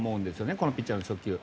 このピッチャーの初球を。